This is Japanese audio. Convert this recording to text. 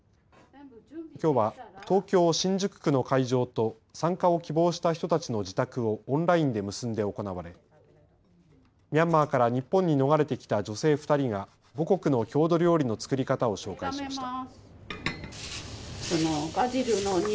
きょうは東京・新宿区の会場と参加を希望した人たちの自宅をオンラインで結んで行われミャンマーから日本に逃れてきた女性２人が母国の郷土料理の作り方を紹介しました。